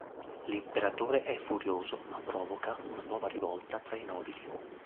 L'imperatore è furioso ma provoca una nuova rivolta tra i nobili.